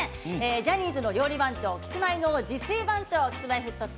ジャニーズの料理番長キスマイの自炊番長Ｋｉｓ−Ｍｙ−Ｆｔ２